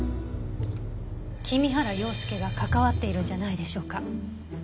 君原洋介が関わっているんじゃないでしょうか？